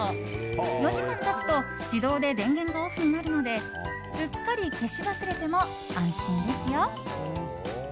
４時間経つと自動で電源がオフになるのでうっかり消し忘れても安心です。